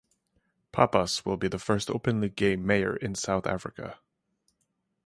Pappas will be the first openly gay mayor in South Africa.